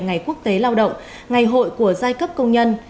ngày quốc tế lao động ngày hội của giai cấp công nhân